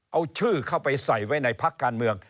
เอาชื่อเข้าไปใส่ไว้ในพักการเมือง